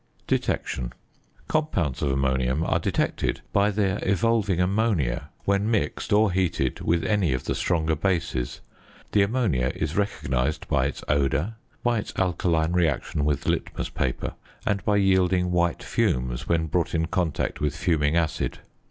~Detection.~ Compounds of ammonium are detected by their evolving ammonia when mixed or heated with any of the stronger bases. The ammonia is recognised by its odour, by its alkaline reaction with litmus paper, and by yielding white fumes, when brought in contact with fuming acid.